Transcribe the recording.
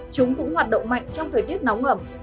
chúng cũng hoạt động mạnh trong thời tiết nóng ẩm